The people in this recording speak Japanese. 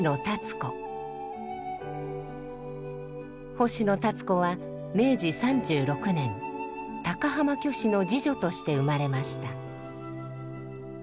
星野立子は明治３６年高浜虚子の次女として生まれました。